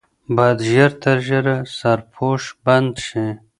باید ژر تر ژره سرپوش بند شي.